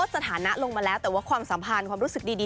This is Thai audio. สถานะลงมาแล้วแต่ว่าความสัมพันธ์ความรู้สึกดี